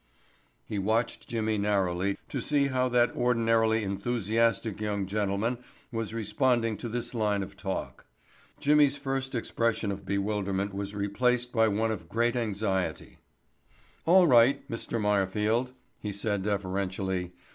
He watched Jimmy narrowly to see how that ordinarily enthusiastic young gentleman was responding to this line of talk. Jimmy's first expression of bewilderment was replaced by one of great anxiety. "All right, Mr. Meyerfield," he said deferentially.